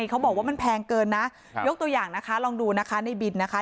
เขาบอกว่ามันแพงเกินนะยกตัวอย่างนะคะลองดูนะคะในบินนะคะ